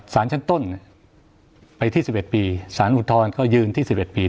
สารชั้นต้นไปที่๑๑ปีสารอุทธรณ์ก็ยืนที่๑๑ปี